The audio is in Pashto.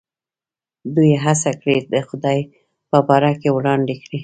دوی هڅه کړې ده د خدای په باره کې وړاندې کړي.